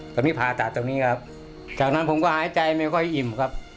ตอนนี้ผ่าตัดตรงนี้ครับจากนั้นผมก็หายใจไม่ค่อยอิ่มครับ